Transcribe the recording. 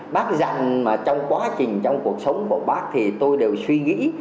bác dành trong quá trình trong cuộc sống của bác thì tôi đều suy nghĩ